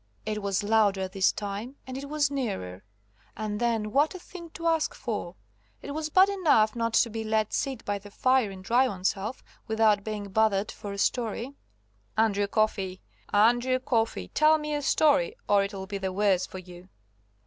It was louder this time, and it was nearer. And then what a thing to ask for! It was bad enough not to be let sit by the fire and dry oneself, without being bothered for a story. "Andrew Coffey! Andrew Coffey! Tell me a story, or it'll be the worse for you."